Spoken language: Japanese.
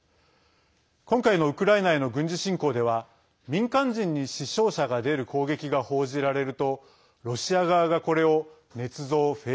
今回のウクライナへの軍事侵攻では民間人に死傷者が出る攻撃が報じられるとロシア側がこれをねつ造・